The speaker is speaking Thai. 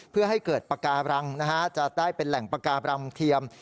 เพื่อให้เกิดปากการังจะได้เป็นแหล่งปากาบรังเทียม